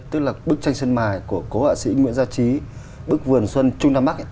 tức là bức tranh sân mài của cố họa sĩ nguyễn gia trí bức vườn xuân trung nam bắc